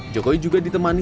jokowi juga ditemani